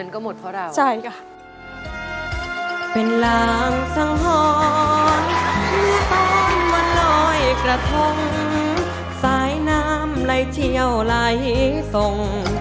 กระทงสายน้ำไล่เที่ยวไล่ทิ้งทรง